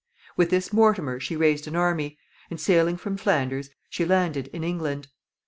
With this Mortimer she raised an army, and, sailing from Flanders, she landed in England.